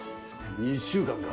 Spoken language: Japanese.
「２週間か」